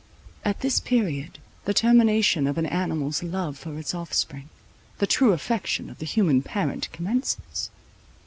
At this period, the termination of an animal's love for its offspring,—the true affection of the human parent commences.